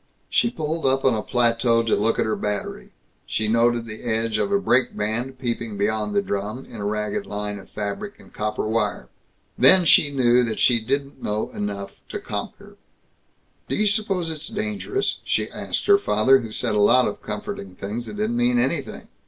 She pulled up on a plateau to look at her battery. She noted the edge of a brake band peeping beyond the drum, in a ragged line of fabric and copper wire. Then she knew that she didn't know enough to conquer. "Do you suppose it's dangerous?" she asked her father, who said a lot of comforting things that didn't mean anything.